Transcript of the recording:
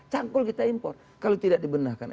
cangkul kita impor kalau tidak dibenahkan